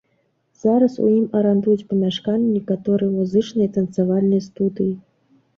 Зараз у ім арандуюць памяшканні некаторыя музычныя і танцавальныя студыі.